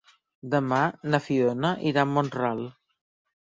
Demà na Fiona irà a Mont-ral.